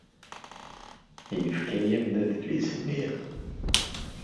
Yefka-am-d adlis-nni.